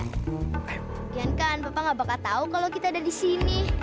mungkin kan papa gak bakal tahu kalau kita ada di sini